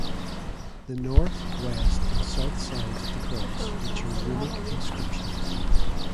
The north, west, and south sides of the cross feature runic inscriptions.